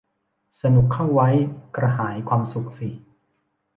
สนุกเข้าไว้ กระหายความสุขสิ